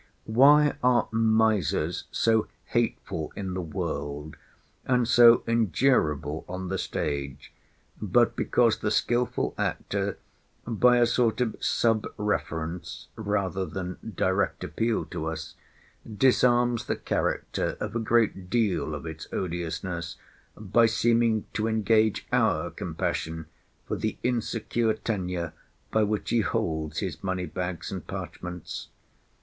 Why are misers so hateful in the world, and so endurable on the stage, but because the skilful actor, by a sort of sub reference, rather than direct appeal to us, disarms the character of a great deal of its odiousness, by seeming to engage our compassion for the insecure tenure by which he holds his money bags and parchments?